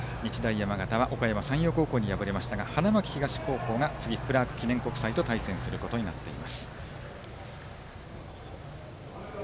山形はおかやま山陽に敗れましたが花巻東が次クラーク国際記念と対戦することになっています。